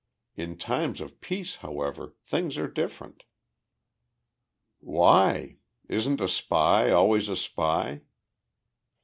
In times of peace, however, things are different." "Why? Isn't a spy always a spy?"